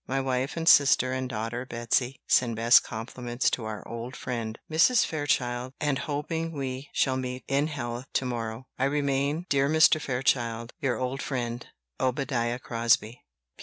My wife and sister and daughter Betsy send best compliments to our old friend, Mrs. Fairchild, and hoping we shall meet in health to morrow, "I remain, dear Mr. Fairchild, "Your old friend, "OBADIAH CROSBIE.